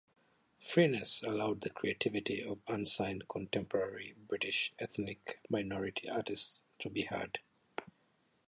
Freeness allowed the creativity of unsigned contemporary British ethnic minority artists to be heard.